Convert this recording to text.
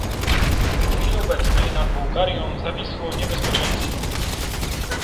W chwili obecnej nad Bułgarią zawisło niebezpieczeństwo